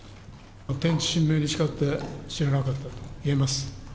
天地神明に誓って知らなかったと言えます。